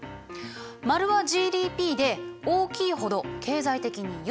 丸はＧＤＰで大きいほど経済的に豊かな国。